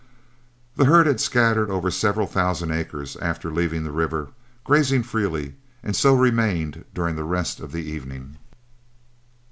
The herd had scattered over several thousand acres after leaving the river, grazing freely, and so remained during the rest of the evening.